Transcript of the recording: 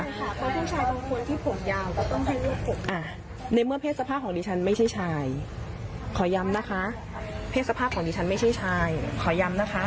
เรียกว่าเพศสภาพฯของดิฉันไม่ใช่ชายขอยำนะคะ